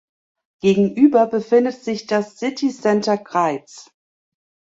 Gegenüber befindet sich das „City Center Greiz“.